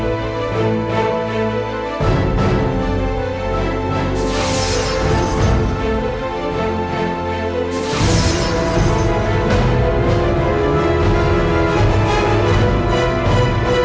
pada saat itu